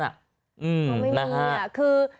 ก็ไม่มีคือ